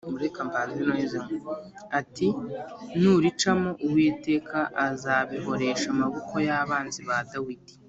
ati “Nuricamo, Uwiteka azabihōresha amaboko y’abanzi ba Dawidi.”